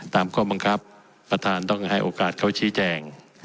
ข้อบังคับประธานต้องให้โอกาสเขาชี้แจง